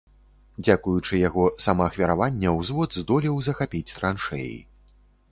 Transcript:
Дзякуючы яго самаахвяравання ўзвод здолеў захапіць траншэі.